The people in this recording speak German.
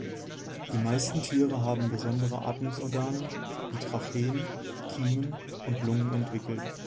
Die meisten Tiere haben besondere Atmungsorgane wie Tracheen, Kiemen und Lungen entwickelt.